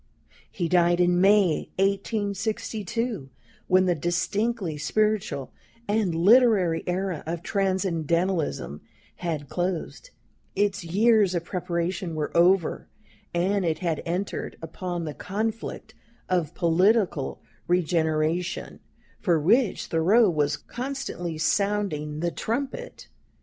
He died in May, 1862, when the distinctly spiritual and literary era of Transcendentalism had closed, its years of preparation were over, and it had entered upon the conflict of political regeneration, for which Thoreau was constantly sounding the trumpet.